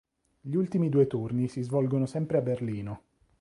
Gli ultimi due turni si svolgono sempre a Berlino.